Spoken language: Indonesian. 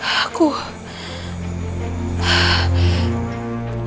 aku harus menanggur panggilanmu